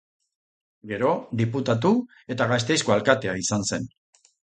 Gero diputatu eta Gasteizko alkatea izan zen.